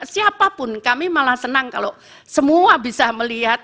siapapun kami malah senang kalau semua bisa melihat